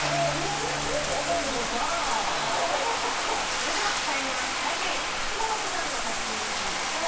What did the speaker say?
それでは才能ナシ最下位菊池桃子さんの作品を見てみましょう。